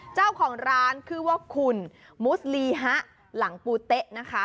เจ้าของร้านคือว่าคุณมุสลีฮะหลังปูเต๊ะนะคะ